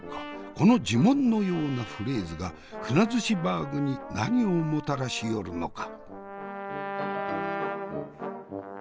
この呪文のようなフレーズが鮒寿司バーグに何をもたらしよるのか？